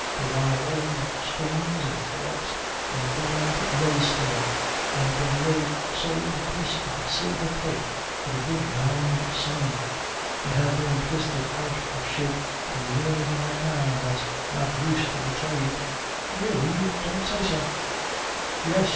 They buy old spoons and forks and gold lace there, and Goriot sold a piece of silver plate for a good round sum. It had been twisted out of shape very neatly for a man that's not used to the trade." "Really? You don't say so?" "Yes.